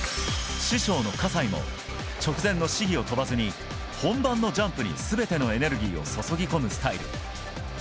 師匠の葛西も、直前の試技を飛ばずに、本番のジャンプにすべてのエネルギーを注ぎ込むスタイル。